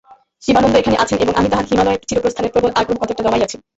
শিবানন্দ এখানে আছেন এবং আমি তাহার হিমালয়ে চিরপ্রস্থানের প্রবল আগ্রহ কতকটা দমাইয়াছি।